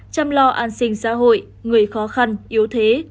chăm lo an sinh xã hội người khó khăn yếu thế